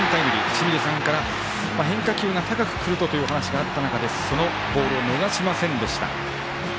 清水さんから変化球が高くくるとというお話があった中でそのボールを逃しませんでした。